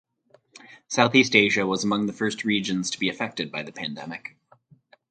Southeast Asia was among the first regions to be affected by the pandemic.